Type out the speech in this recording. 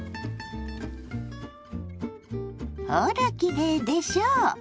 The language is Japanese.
ほらきれいでしょ